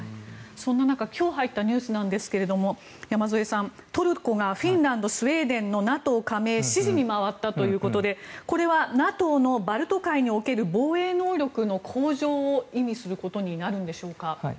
そんな中今日入ったニュースなんですが山添さん、トルコがフィンランド、スウェーデンのＮＡＴＯ加盟支持に回ったということでこれはＮＡＴＯのバルト三国における防衛能力の向上を意味することになるんでしょうか？